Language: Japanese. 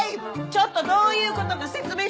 ちょっとどういうことか説明してちょうだい。